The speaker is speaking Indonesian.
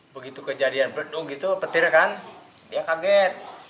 begitu kejadian peledung gitu petir kan dia kaget